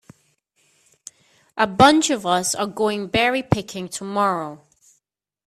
A bunch of us are going berry picking tomorrow.